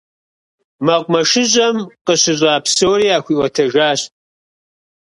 МэкъумэшыщӀэм къыщыщӀа псори яхуиӀуэтэжащ.